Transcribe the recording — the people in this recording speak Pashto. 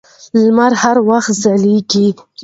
لمر هر وخت ځلېږي.